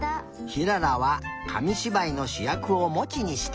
ひららはかみしばいのしゅやくをモチにした！